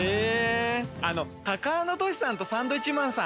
タカアンドトシさんとサンドウィッチマンさん